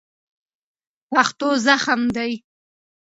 پښتو زغم دی